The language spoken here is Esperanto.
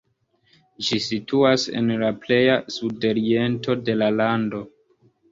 Ĝi situas en la pleja sudoriento de la lando.